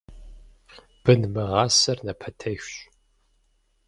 Бын мыгъасэр напэтехщ.